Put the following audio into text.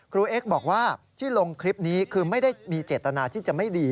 เอ็กซ์บอกว่าที่ลงคลิปนี้คือไม่ได้มีเจตนาที่จะไม่ดี